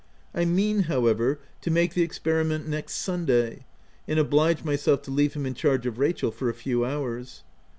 I mean, however, to make the experiment next Sunday, and oblige myself to leave him in charge of Rachel for a few hours.